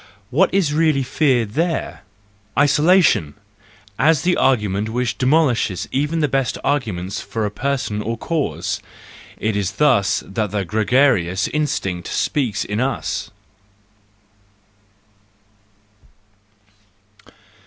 What is really feared there ? Isolation l as the argument which demolishes even the best arguments for a person or cause!—It is thus that the gregarious instinct speaks in us.